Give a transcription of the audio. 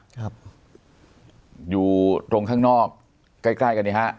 ครับอยู่ตรงข้างนอกใกล้ใกล้กันเนี่ยฮะ